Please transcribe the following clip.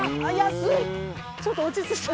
ちょっと落ち着いて。